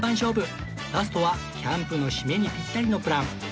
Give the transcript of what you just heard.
ラストはキャンプの締めにピッタリのプラン